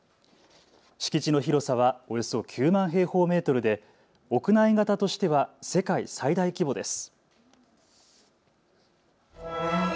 敷地の広さはおよそ９万平方メートルで屋内型としては世界最大規模です。